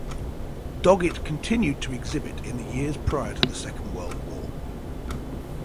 Doggett continued to exhibit in the years prior to the Second World War.